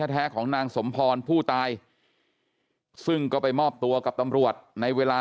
แท้ของนางสมพรผู้ตายซึ่งก็ไปมอบตัวกับตำรวจในเวลา